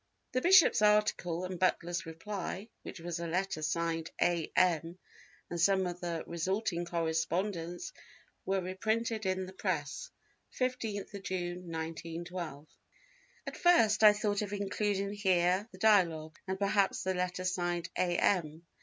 The bishop's article and Butler's reply, which was a letter signed A. M. and some of the resulting correspondence were reprinted in the Press, 15th June, 1912. At first I thought of including here the Dialogue, and perhaps the letter signed A. M.